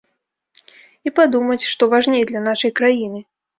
І падумаць, што важней для нашай краіны.